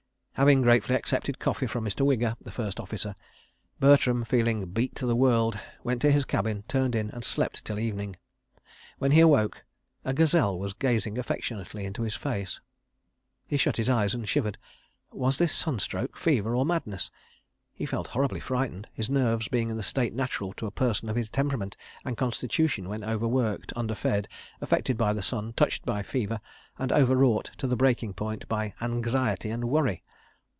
Having gratefully accepted coffee from Mr. Wigger, the First Officer, Bertram, feeling "beat to the world," went down to his cabin, turned in, and slept till evening. When he awoke, a gazelle was gazing affectionately into his face. He shut his eyes and shivered. ... Was this sunstroke, fever, or madness? He felt horribly frightened, his nerves being in the state natural to a person of his temperament and constitution when overworked, underfed, affected by the sun, touched by fever, and overwrought to the breaking point by anxiety and worry.